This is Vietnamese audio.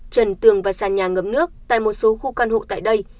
trần tường và sàn nhà ngấm nước tại một số khu căn hộ tại đây